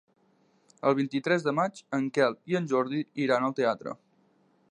El vint-i-tres de maig en Quel i en Jordi iran al teatre.